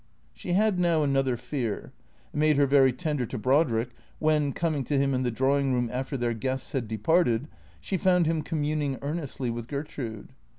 She had now another fear. It made her very tender to Brod rick when, coming to him in the drawing room after their guests had departed, she found him communing earnestly with Gertrude.